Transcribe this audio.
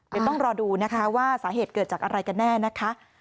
เดี๋ยวต้องรอดูนะคะว่าสาเหตุเกิดจากอะไรกันแน่นะคะ